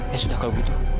ya sudah kalau gitu